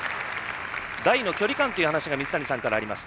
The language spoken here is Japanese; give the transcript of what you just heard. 台の距離感という話が水谷さんからありました。